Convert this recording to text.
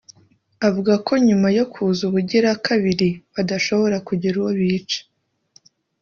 Avuga ko nyuma yo kuza ubugira kabiri badashobora kugira uwo bica